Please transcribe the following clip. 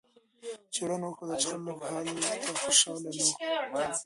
څېړنو وښودله چې خلک هلته خوشحاله نه وو.